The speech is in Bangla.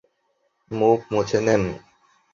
মুখ মুছে নেন।